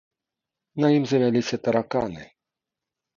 На ім завяліся тараканы.